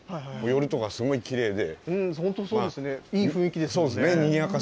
夜とか、すごいきれいで。